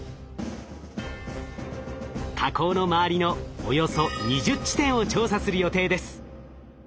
火口の周りのおよそ２０地点を調査する予定です。